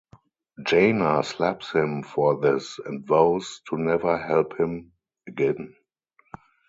Jaina slaps him for this and vows to never help him again.